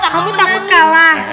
kamu takut kalah